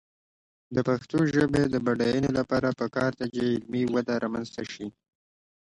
د پښتو ژبې د بډاینې لپاره پکار ده چې علمي وده رامنځته شي.